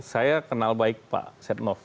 saya kenal baik pak setnov